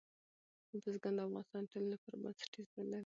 بزګان د افغانستان د ټولنې لپاره بنسټیز رول لري.